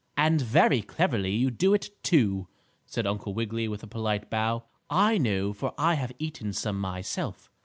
"And very cleverly you do it, too," said Uncle Wiggily, with a polite bow. "I know, for I have eaten some myself.